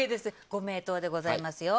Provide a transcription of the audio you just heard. ご名答でございますよ。